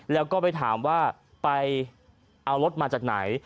แล้วก็ไปถามว่าไปเอารถมาจากไหน